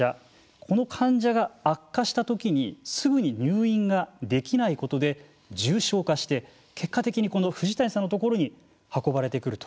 この患者が悪化したときにすぐに入院ができないことで重症化して結果的にこの藤谷さんのところに運ばれてくると。